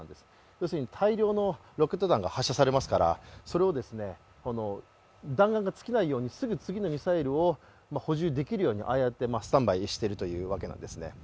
要するに大量のロケット弾が発射されますから弾丸が尽きないように、すぐ次のミサイルを補充できるようにああやってスタンバイしているというわけなんですね。